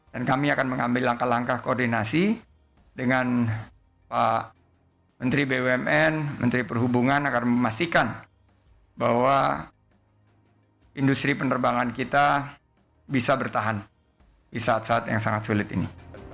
dan kami akan mengambil langkah langkah koordinasi dengan pak menteri bumn menteri perhubungan akan memastikan bahwa industri penerbangan kita bisa bertahan di saat saat yang sangat sulit ini